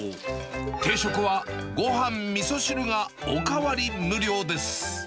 定食はごはん、みそ汁がお代わり無料です。